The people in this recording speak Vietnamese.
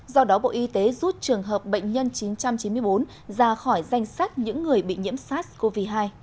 do đó bộ y tế rút trường hợp bệnh nhân chín trăm chín mươi bốn ra khỏi danh sách những người bị nhiễm sars cov hai